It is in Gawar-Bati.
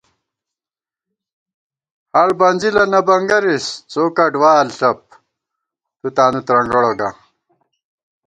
ہڑ بنزِلہ نہ بنگَرِس، څو کڈوال ݪَپ، تُو تانو ترنگَڑہ گا